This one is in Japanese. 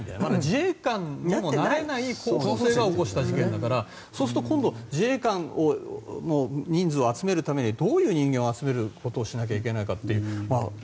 自衛官になってない候補生が起こした事件だからそうすると今度自衛官の人数を集めるためにどういう人間を集めることをしなきゃいけないかという。